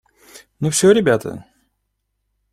Ну все, ребята?